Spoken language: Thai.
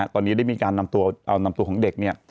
ตอนนี้ได้มีการนำตัวเอานำตัวของเด็กเนี่ย